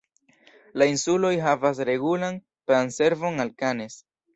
La insuloj havas regulan pram-servon al Cannes.